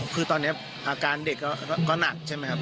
คือตอนนี้อาการเด็กก็หนักใช่ไหมครับ